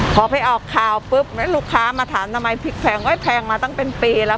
พอไปออกข่าวปุ๊บลูกค้ามาถามทำไมพริกแพงมาตั้งเป็นปีแล้ว